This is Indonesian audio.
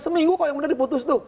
seminggu yang sudah diputus